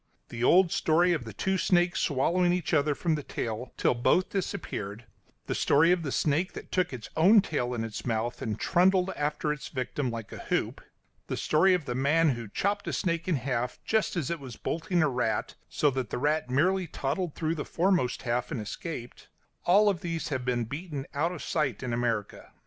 The old story of the two snakes swallowing each other from the tail till both disappeared; the story of the snake that took its own tail in its mouth and trundled after its victim like a hoop; the story of the man who chopped a snake in half just as it was bolting a rat, so that the rat merely toddled through the foremost half and escaped all these have been beaten out of sight in America.